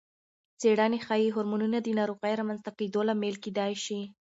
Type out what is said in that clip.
څېړنې ښيي، هورمونونه د ناروغۍ رامنځته کېدو لامل کېدای شي.